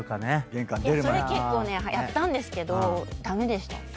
それ結構ねやったんですけど駄目でした。